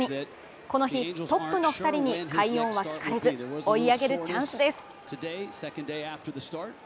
この日、トップの２人に快音は聞かれず追い上げるチャンスです。